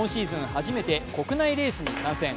初めて国内レースに参戦。